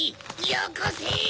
よこせ！